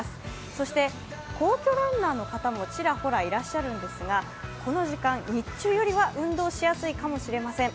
そして、皇居ランナーの方もちらほらいらっしゃるんですがこの時間、日中よりは運動しやすいかもしれません。